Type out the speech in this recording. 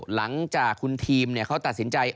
หลังจากคุณทีมเขาตัดสินใจ